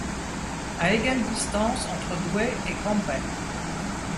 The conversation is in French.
À égale distance entre Douai et Cambrai.